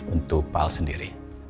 untuk pak al sendiri